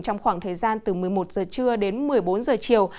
trong khoảng thời gian từ một mươi một giờ trưa đến một mươi bốn giờ chiều